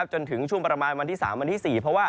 จนถึงช่วงประมาณวันที่๓วันที่๔